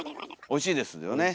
おいしいですよね。